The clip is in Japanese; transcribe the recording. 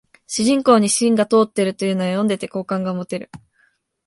主人公に芯が通ってるというのは読んでて好感が持てる